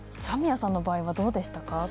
三宮さんの場合はどうでしたか？